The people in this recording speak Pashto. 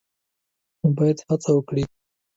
نو باید هڅه وکړي